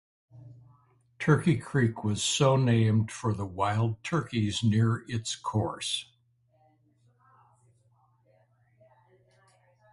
Turkey Creek was so named for the wild turkeys near its course.